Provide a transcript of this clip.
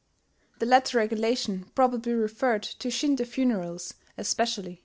(The latter regulation probably referred to Shinto funerals in especial.)